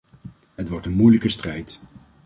Het wordt een moeilijke strijd.